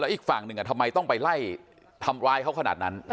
อีกฝั่งหนึ่งทำไมต้องไปไล่ทำร้ายเขาขนาดนั้น